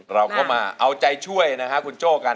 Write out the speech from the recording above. เราก็มาเอาใจช่วยนะฮะคุณโจ้กัน